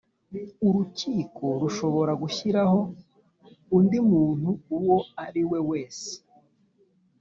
urukiko rushobora gushyiraho undi muntu uwo ariwe wese